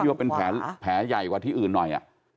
ที่ต้นขาที่เป็นแผลใหญ่กว่าที่อื่นนอน